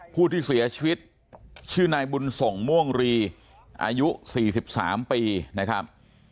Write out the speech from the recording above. ผู้ที่เสียชีวิตชื่อนายบุญส่งม่วงรีอายุ๔๓ปีนะครับ